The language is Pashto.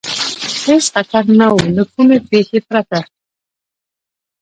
هېڅ خطر نه و، له کومې پېښې پرته.